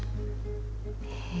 へえ。